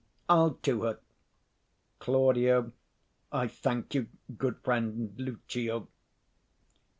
I'll to her. Claud. I thank you, good friend Lucio.